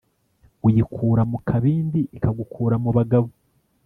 Uyikura mu kabindi ikagukura mu bagabo.